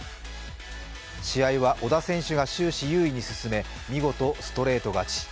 試合は小田選手が終始優位に進め、見事ストレート勝ち。